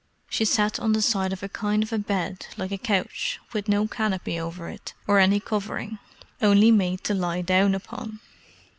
She sat on the side of a kind of a bed like a couch, with no canopy over it, or any covering; only made to lie down upon.